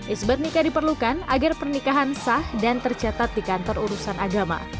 isbat nikah diperlukan agar pernikahan sah dan tercatat di kantor urusan agama